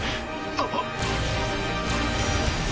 あっ！